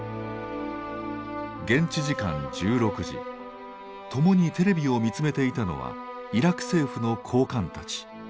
現地時間１６時共にテレビを見つめていたのはイラク政府の高官たち。